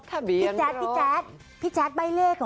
พี่แจ๊ดพี่แจ๊ดพี่แจ๊ดใบ้เลขเหรอ